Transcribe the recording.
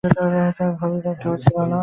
ভবির আর কেহ ছিল না।